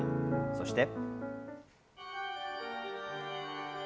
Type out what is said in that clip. そして。